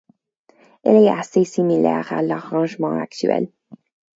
Elle est assez similaire à l’arrangement actuel.